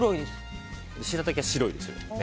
しらたきは白いですね。